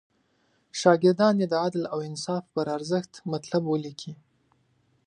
شاګردان دې د عدل او انصاف پر ارزښت مطلب ولیکي.